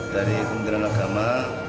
dari pemerintahan agama